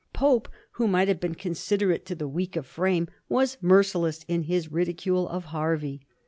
Pope, who might have been considerate to the weak of frame, was merciless in his ridicule of Hervey.